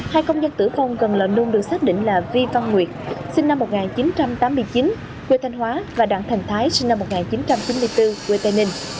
hai công nhân tử vong gần lợn nương được xác định là vi văn nguyệt sinh năm một nghìn chín trăm tám mươi chín quê thanh hóa và đặng thành thái sinh năm một nghìn chín trăm chín mươi bốn quê tây ninh